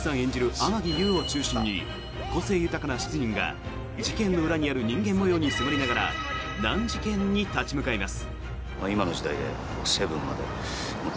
天樹悠を中心に個性豊かな７人が事件の裏にある人間模様に迫りながら難事件に立ち向かいます。